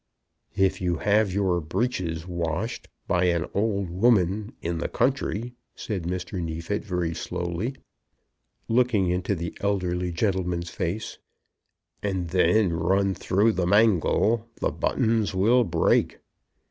"If you have your breeches, washed, by an old woman, in the country," said Mr. Neefit, very slowly, looking into the elderly gentleman's face, "and then run through the mangle, the buttons will break."